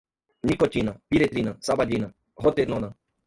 nicotina, piretrina, sabadina, rotenona